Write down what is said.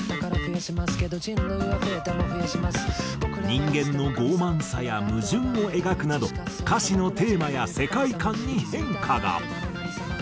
人間の傲慢さや矛盾を描くなど歌詞のテーマや世界観に変化が。